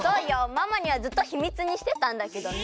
ママにはずっとヒミツにしてたんだけどね。